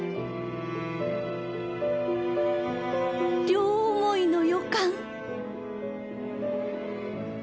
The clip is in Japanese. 両思いの予感！